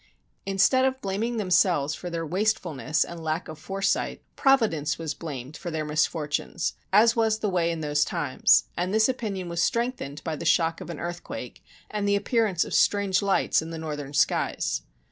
Instead of blaming themselves for their waste fulness and lack of foresight, Providence was blamed for their misfortunes as was the way in those times; and this opinion was strengthened by the shock of an earthquake and the appearance of strange lights in the northern skies.